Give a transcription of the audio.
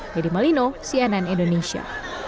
dedy malino cnn indonesia